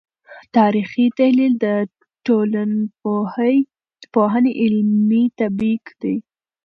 تاریخي تحلیل د ټولنپوهنې علمي تطبیق دی.